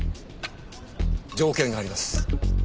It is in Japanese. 条件があります。